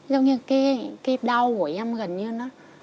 giống như cái đau của em gần như nó